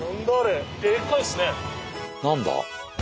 何だ？